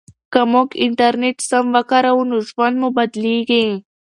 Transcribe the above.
که موږ انټرنیټ سم وکاروو نو ژوند مو بدلیږي.